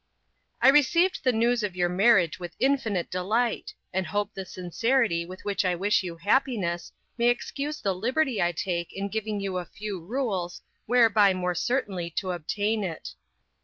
I received the news of your marriage with infinite delight, and hope that the sincerity with which I wish you happiness, may excuse the liberty I take in giving you a few rules, whereby more certainly to obtain it.